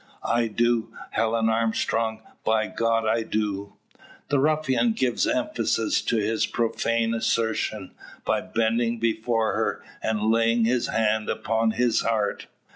I do, Helen Armstrong; by God, I do!" The ruffian gives emphasis to his profane assertion, by bending before her, and laying his hand upon his heart.